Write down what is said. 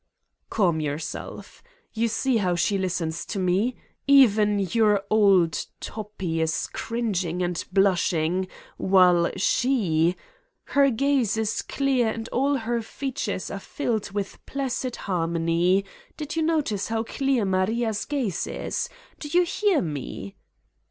"Calm yourself. You see how she listens to me? Even your old Toppi is cringing and blush ing while she her gaze is clear and all her f eat 239 Satan's Diary ures are filled with placid harmony ... did you notice how clear Maria's gaze is? Do you hear me?"